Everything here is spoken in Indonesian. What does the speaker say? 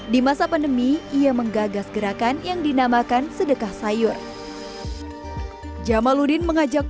di masa pandemi ia menggagas gerakan yang dinamakan sedekah sayur jamaludin mengajak